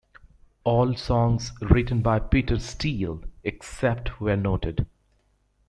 All songs written by Peter Steele, except where noted.